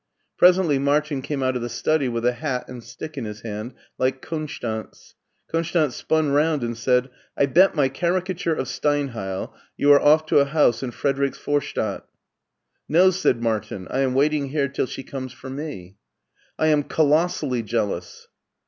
Presently Martin came out of the study with a hat and stick in his hand like Konstanz. Konstanz spun round and said :" I bet my caricature of Steinheil you arc off to a house in Friedrichsvorstadt." " No/' said Martin, " I am waiting here till she comes for me.'' " I am colossally jealous."